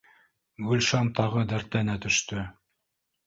Гөлшан тағы ла дәртләнә төштө